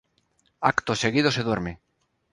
Acto seguido se duerme.